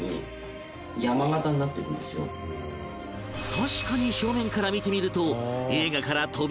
確かに正面から見てみると